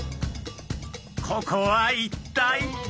ここは一体？